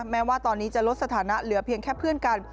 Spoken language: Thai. แม้ว่าตอนนี้จะลดสถานะเหลือเพียงแค่เพื่อนกัน